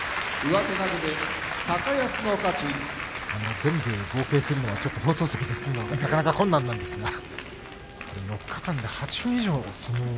全部合計するのは放送席ですのでなかなか困難なんですが４日間で８分以上の相撲を。